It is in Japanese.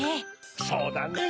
そうだねぇ。